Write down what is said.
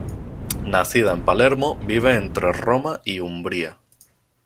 Nacida en Palermo, vive entre Roma y Umbría.